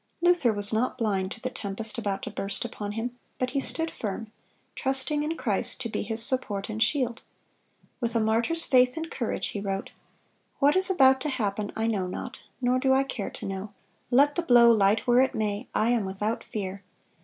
Luther was not blind to the tempest about to burst upon him; but he stood firm, trusting in Christ to be his support and shield. With a martyr's faith and courage he wrote: "What is about to happen I know not, nor do I care to know.... Let the blow light where it may, I am without fear.